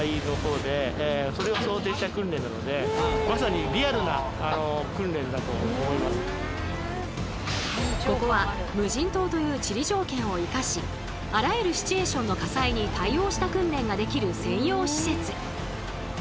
ここは無人島という地理条件を生かしあらゆるシチュエーションの火災に対応した訓練ができる専用施設。